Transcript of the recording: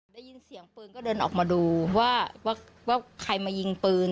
ได้ยินเสียงปืนก็เดินออกมาดูว่าใครมายิงปืน